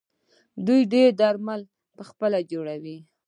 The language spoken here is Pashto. دوی ډیری درمل پخپله جوړوي.